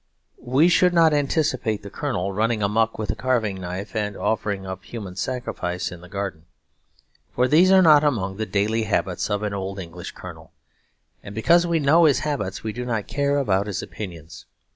We should not anticipate the colonel running amuck with a carving knife and offering up human sacrifice in the garden; for these are not among the daily habits of an old English colonel; and because we know his habits, we do not care about his opinions.